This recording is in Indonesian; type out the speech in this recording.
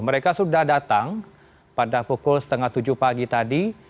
mereka sudah datang pada pukul setengah tujuh pagi tadi